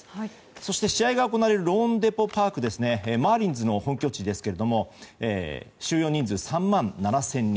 そして試合が行われるローンデポ・パークはマーリンズの本拠地ですが収容人数は３万７０００人。